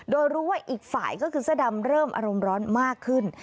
โดยรู้ว่าอีกฝ่ายก็คือเสื้อดำเริ่มอารมณ์ร้อนมากขึ้น